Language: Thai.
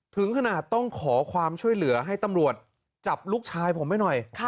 ถึงขนาดต้องขอความช่วยเหลือให้ตำรวจจับลูกชายผมไปหน่อย